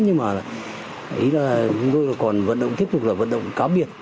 nhưng mà ý là tôi còn vận động tiếp tục là vận động cám biệt